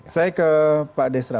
saya ke pak desra